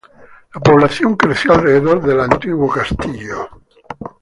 La población creció alrededor del antiguo castillo.